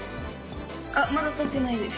あっまだ立ってないです。